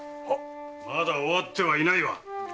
まだ終わってはいないわ。